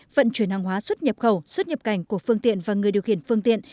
vận chuyển hàng hóa xuất nhập khẩu xuất nhập cảnh của phương tiện và người điều khiển phương tiện